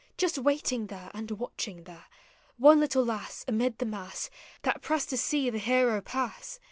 Just waiting there and watching there, One little lass, amid the mass That pressed to see the hero pass?